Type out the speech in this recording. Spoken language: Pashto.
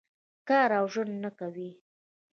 کار او ژوند نه کوي.